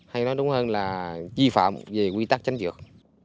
hay nói đúng hơn là di phạm về quy tắc tránh dược